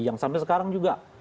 yang sampai sekarang juga